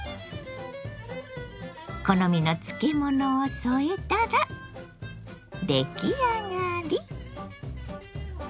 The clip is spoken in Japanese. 好みの漬物を添えたら出来上がり。